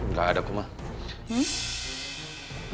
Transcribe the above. gak ada kumar